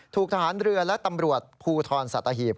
ทหารเรือและตำรวจภูทรสัตหีบ